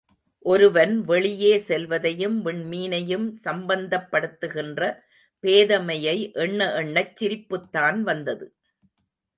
ஒருவன் வெளியே செல்வதையும் விண்மீனையும் சம்மந்தப்படுத்துகின்ற பேதைமையை எண்ண எண்ணச் சிரிப்புதான் வந்தது.